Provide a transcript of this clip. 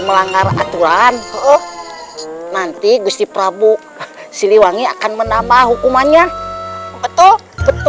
melanggar aturan nanti gusti prabowo siliwangi akan menambah hukumannya betul betul betul betul